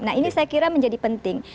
nah ini saya kira menjadi penting